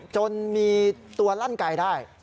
จนมีตัวลั่นไกลได้